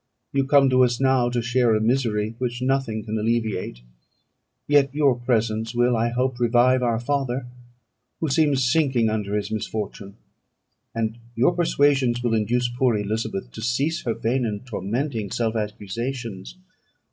You come to us now to share a misery which nothing can alleviate; yet your presence will, I hope, revive our father, who seems sinking under his misfortune; and your persuasions will induce poor Elizabeth to cease her vain and tormenting self accusations.